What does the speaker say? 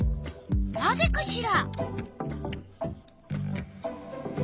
なぜかしら？